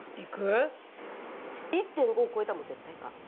１．５超えたらもう絶対に行かん。